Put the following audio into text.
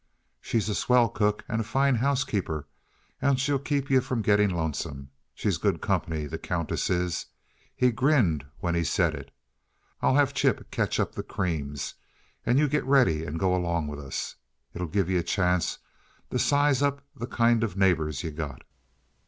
"She's a swell cook, and a fine housekeeper, and shell keep yuh from getting lonesome. She's good company, the Countess is." He grinned when he said it "I'll have Chip ketch up the creams, and you get ready and go along with us. It'll give you a chance to size up the kind uh neighbors yuh got."